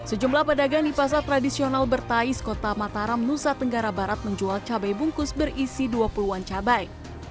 sejumlah pedagang di pasar tradisional bertais kota mataram nusa tenggara barat menjual cabai bungkus berisi dua puluh an cabai